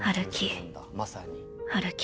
歩き。